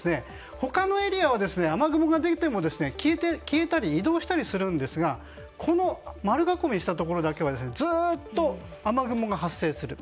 他のエリアは雨雲ができても消えたり移動したりするんですがこの丸囲みしたところだけはずっと雨雲が発生する。